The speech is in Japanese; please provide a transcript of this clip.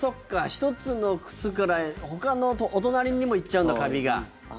１つの靴からほかの、お隣にも行っちゃうんだカビが。